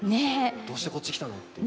どうしてこっち来たのって。